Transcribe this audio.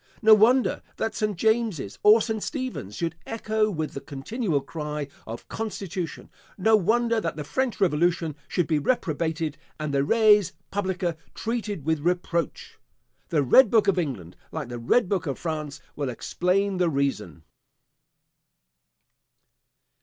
No wonder, that St. James's or St. Stephen's should echo with the continual cry of constitution; no wonder, that the French revolution should be reprobated, and the res publica treated with reproach! The red book of England, like the red book of France, will explain the reason.